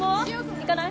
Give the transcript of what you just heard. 行かない？